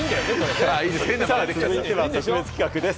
続いては特別企画です。